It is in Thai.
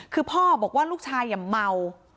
คือพ่อบอกว่าลูกชายเมา